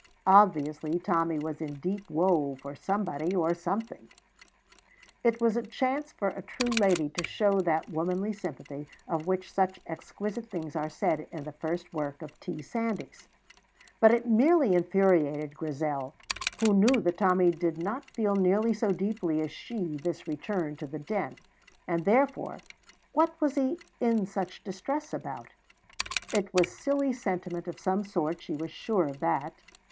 Obviously, Tommy was in deep woe for somebody or something. It was a chance for a true lady to show that womanly sympathy of which such exquisite things are said in the first work of T. Sandys: but it merely infuriated Grizel, who knew that Tommy did not feel nearly so deeply as she this return to the Den, and, therefore, what was he in such distress about? It was silly sentiment of some sort, she was sure of that.